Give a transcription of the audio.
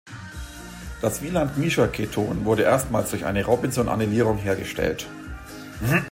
Das Wieland-Miescher-Keton wurde erstmals durch eine Robinson-Anellierung hergestellt.